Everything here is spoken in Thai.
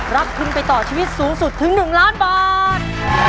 รับทุนไปต่อชีวิตสูงสุดถึง๑ล้านบาท